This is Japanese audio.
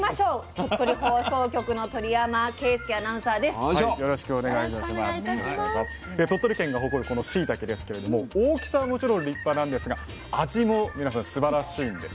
鳥取県が誇るこのしいたけですけれども大きさはもちろん立派なんですが味も皆さんすばらしいんです。